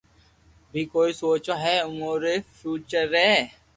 بي ڪوئي سوچوو ھي اووہ ري فيوچر ري